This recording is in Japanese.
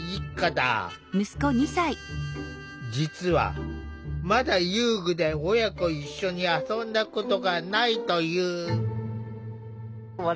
実はまだ遊具で親子一緒に遊んだことがないという。